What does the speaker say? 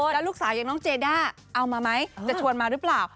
แล้วลูกสาวอย่างน้องเจด้าเอามาไหมจะชวนมาหรือเปล่า